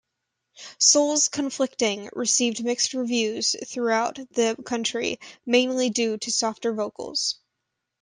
"Souls Conflicting" received mixed reviews throughout the country, mainly due to the softer vocals.